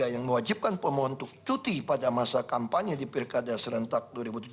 yang mewajibkan pemohon untuk cuti pada masa kampanye di pilkada serentak dua ribu tujuh belas